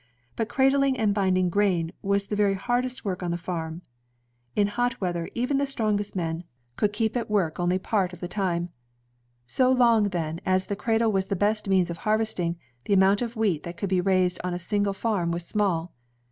But cradling and binding grain was the very hardest work on the farm. In hot weather even the strongest men could keep at CYKUS H. MCCORMICK 145 work only a part of the time. So long, then, as the cradle was the best means of harvesting, the amount of wheat that could be raised on a single farm was small.